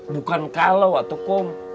bukan kalau waktu kom